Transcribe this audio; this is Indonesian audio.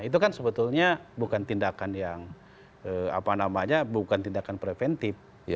itu kan sebetulnya bukan tindakan preventif